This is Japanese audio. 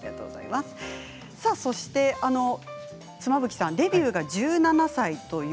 そして妻夫木さんはデビューが１７歳。